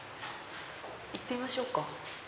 行ってみましょうか。